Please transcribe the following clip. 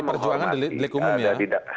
perjuangan delik umum ya